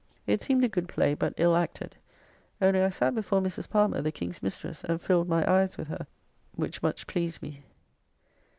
It seemed a good play, but ill acted; only I sat before Mrs. Palmer, the King's mistress, and filled my eyes with her, which much pleased me.